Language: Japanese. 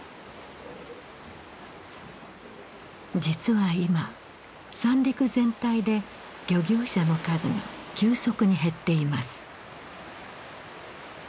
実は今三陸全体で漁業者の数が急速に減っています。